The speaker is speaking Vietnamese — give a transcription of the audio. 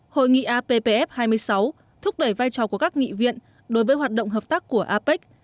hội nghị appf hai mươi sáu thúc đẩy vai trò của các nghị viện đối với hoạt động hợp tác của apec